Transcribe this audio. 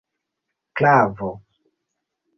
klavo